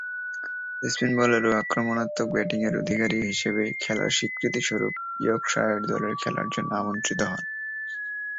Spin bowler ও আক্রমণাত্মক ব্যাটিংয়ের অধিকারী হিসেবে খেলার স্বীকৃতিস্বরূপ ইয়র্কশায়ার দলে খেলার জন্য আমন্ত্রিত হন।